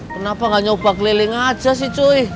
kenapa gak nyobak leleng aja sih cuy